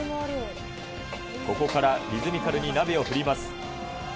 ここからリズミカルに鍋を振ります。